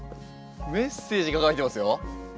メッセージが書いてますよ。